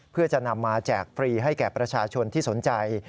เพื่อจะนำมาแจกฟรีให้แก่ประชาชนที่สนใจ